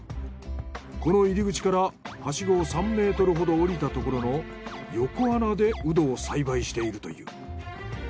この入り口からはしごを３ｍほどおりたところの横穴でうどを栽培しているという。